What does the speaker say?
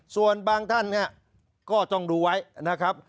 ส่วนบางท่านก็ต้องดูไว้นะครับ